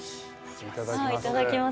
いただきます。